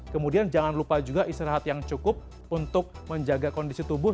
kemudian jangan lupa juga istirahat yang cukup untuk menjaga kondisi tubuh